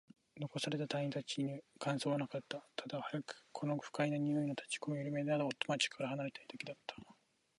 残された隊員達に感想はなかった。ただ、早くこの不快な臭いの立ち込める港町から離れたいだけだった。